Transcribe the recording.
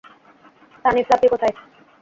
তানি, Fluffy কোথায়?